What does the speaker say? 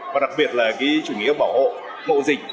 và đặc biệt là chủ nghĩa bảo hộ mộ dịch